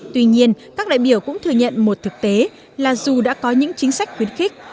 tuy nhiên các đại biểu cũng thừa nhận một thực tế là dù đã có những chính sách khuyến khích